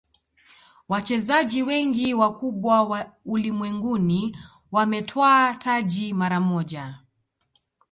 wachezaji wengi wakubwa ulimwenguni wametwaa taji mara moja